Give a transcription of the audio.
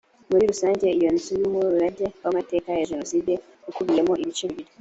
muri rusange iyo nzu y’umurage w’amateka ya jenoside ukubiyemo ibice bibiri